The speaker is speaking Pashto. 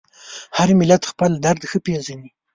هر ملت خپل درد ښه پېژني.